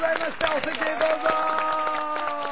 お席へどうぞ。